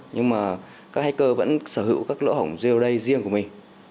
nhưng mà các hacker vẫn sở hữu các lỗ hổng real day riêng của mình